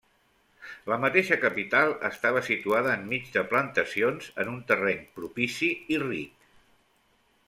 La mateixa capital estava situada enmig de plantacions, en un terreny propici i ric.